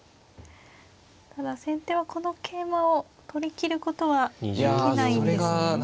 ただ先手はこの桂馬を取りきることはできないんですね。